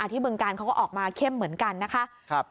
บึงการเขาก็ออกมาเข้มเหมือนกันนะคะ